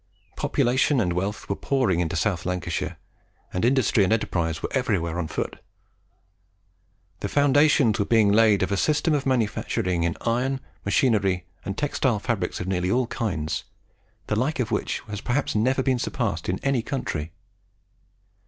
Population and wealth were pouring into South Lancashire, and industry and enterprise were everywhere on foot. The foundations were being laid of a system of manufacturing in iron, machinery, and textile fabrics of nearly all kinds, the like of which has perhaps never been surpassed in any country.